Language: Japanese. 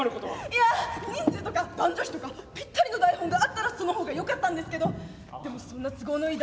いや人数とか男女比とかぴったりの台本があったらその方がよかったんですけどでもそんな都合のいい